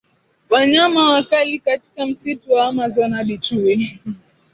Wanyama wakali katika msitu wa Amazon Hadi chui